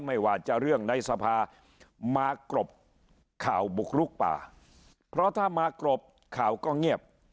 ไม่ว่าจะเรื่องในสภามากรบข่าวบุกลุกป่าเพราะถ้ามากรบข่าวก็เงียบ